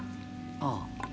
ああ。